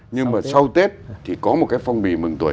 nhưng mà sau tết thì có một cái phong bì mừng tuổi